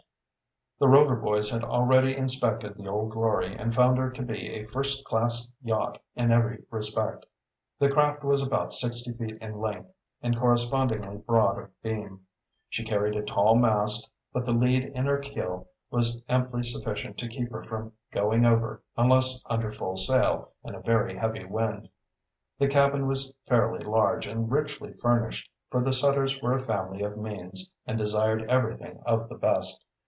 The Rover boys had already inspected the Old Glory and found her to be a first class yacht in every respect. The craft was about sixty feet in length and correspondingly broad of beam. She carried a tall mast, but the lead in her keel was amply sufficient to keep her from going over unless under full sail in a very heavy wind. The cabin was fairly large and richly furnished, for the Sutters were a family of means, and desired everything of the best.